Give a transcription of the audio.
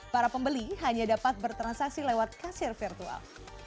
para pembeli hanya dapat bertransaksi lewat kasir virtual